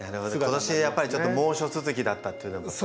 今年はやっぱりちょっと猛暑続きだったっていうのがまた。